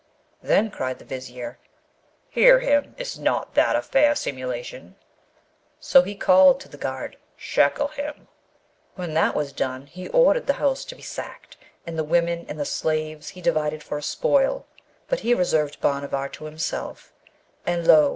Then cried the Vizier, 'Hear him! is not that a fair simulation?' So he called to the guard, 'Shackle him!' When that was done, he ordered the house to be sacked, and the women and the slaves he divided for a spoil, but he reserved Bhanavar to himself: and lo!